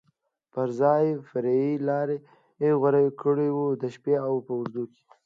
پر ځای فرعي لارې غوره کړو، د شپې په اوږدو کې.